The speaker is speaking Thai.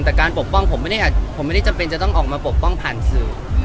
แต่การปกป้องผมไม่ได้จำเป็นจะต้องออกมาปกป้องผ่านสื่อ